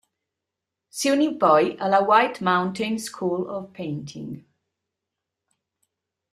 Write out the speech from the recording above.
Si unì poi alla "White Mountain School of Painting".